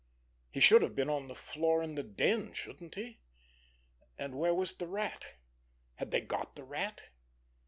He should have been on the floor in the den, shouldn't he? And where was the Rat? Had they got the Rat?